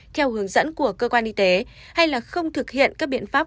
theo hướng dẫn của cơ quan y tế hay là không thực hiện các biện pháp